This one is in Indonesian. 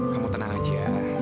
kamu tenang aja